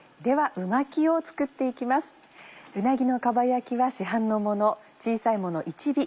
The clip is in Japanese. うなぎのかば焼きは市販のもの。